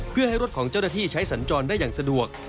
เพื่อให้รถของเจ้าหน้าที่ใช้สัญจรได้อย่างสะดวก